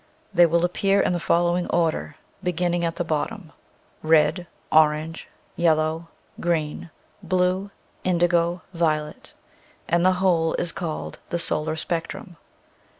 They will appear in the following order, beginning at the bottom: Red, orange, yellow, green, blue, indigo, violet, and the whole is called the solar spectrum.